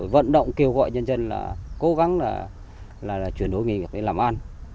vận động kêu gọi dân dân cố gắng chuyển đổi nghề việc để làm ăn